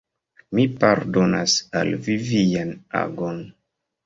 Mi pardonas al vi vian agon.